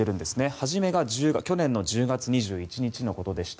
初めが去年１０月２１日のことでした。